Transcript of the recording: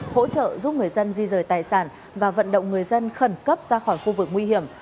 hỗ trợ giúp người dân di rời tài sản và vận động người dân khẩn cấp ra khỏi khu vực nguy hiểm